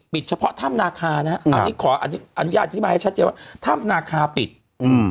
ปิดเฉพาะถ้ำตนะฮะอันนี้ขออนุญาตที่มาให้ชัดใจว่าถ้ำนาคาร์ปิดอืม